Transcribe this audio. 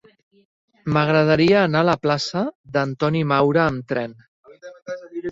M'agradaria anar a la plaça d'Antoni Maura amb tren.